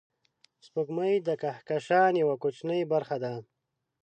سپوږمۍ د کهکشان یوه کوچنۍ برخه ده